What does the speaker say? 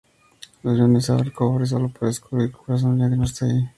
Jones abre el cofre, solo para descubrir que el corazón ya no está ahí.